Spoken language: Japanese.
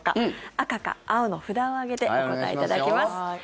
赤か青の札を上げてお答えいただきます。